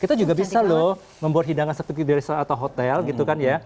kita juga bisa loh membuat hidangan seperti di atau hotel gitu kan ya